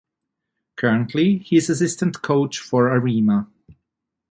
Currently he is assistant coach for Arema.